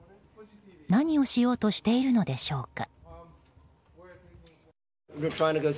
何をしようとしているのでしょうか。